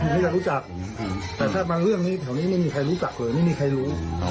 มีแต่รู้จักถ้าเป็นเรื่องนี้แถวนี้ไม่มีใครรู้จักเลยไม่มีใครรู้